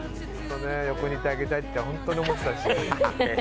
横にいてあげたいって本当に思ってたし。